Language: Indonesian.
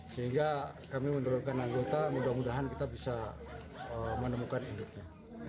sehingga kami menurunkan anggota mudah mudahan kita bisa menemukan induknya